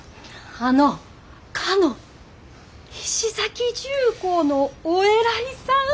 あのかの菱崎重工のお偉いさん！